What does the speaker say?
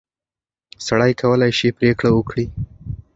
سړی کولای شي پرېکړه وکړي.